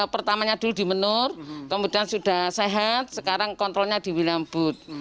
pertamanya dulu di menur kemudian sudah sehat sekarang kontrolnya di wilambut